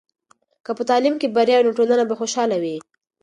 که په تعلیم کې بریا وي، نو ټولنه به خوشحاله وي.